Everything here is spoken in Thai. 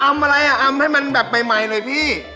อะไรอ่ะอำให้มันแบบใหม่หน่อยพี่